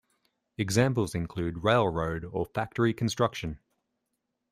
Examples include railroad or factory construction.